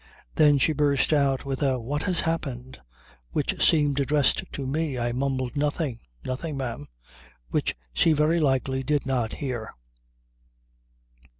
Then she burst out with a "What has happened?" which seemed addressed to me. I mumbled "Nothing! Nothing, ma'am," which she very likely did not hear.